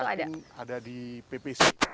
saya yakin ada di ppc